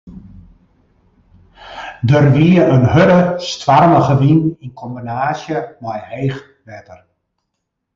Der wie in hurde, stoarmige wyn yn kombinaasje mei heech wetter.